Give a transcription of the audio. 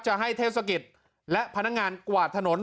จะให้เทศกิจและพนักงานกวาดถนน